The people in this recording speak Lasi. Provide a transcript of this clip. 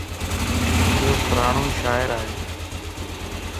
ايو پراڙون شاعر ائي